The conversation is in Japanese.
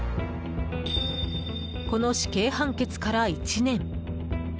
この死刑判決から１年。